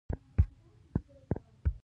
د کندهار لیوان خطرناک دي